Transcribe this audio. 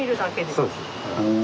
そうです。